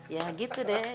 ya gitu deh